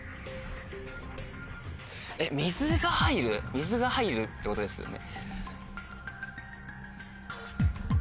水が入るってことですよね。